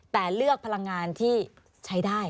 แต่เลือกพลังงานที่ใช้ได้